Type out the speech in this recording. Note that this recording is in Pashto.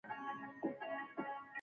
بچیه! ماغزه مې سم کار نه کوي.